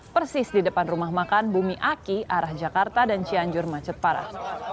persis di depan rumah makan bumi aki arah jakarta dan cianjur macet parah